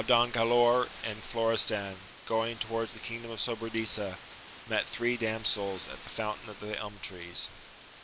— HowDon Gkilaor and Florestan, goiufi; towards the kingdom of Sobradisa, met three Damsels at the Foun tain of the Elm Trees.